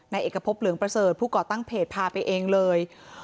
เอกพบเหลืองประเสริฐผู้ก่อตั้งเพจพาไปเองเลย